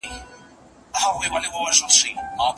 خاوند او ميرمن باید حقوق پايمال نکړي.